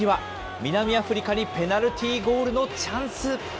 南アフリカにペナルティーゴールのチャンス。